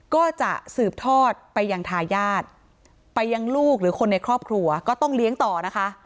ก็จะสืบทอดไปยังทายาทไปยังลูกหรือคนในครอบครัวก็ต้องเลี้ยงต่อนะคะ